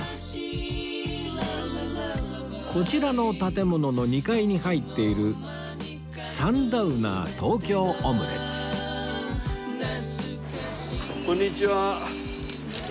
こちらの建物の２階に入っているこんにちは。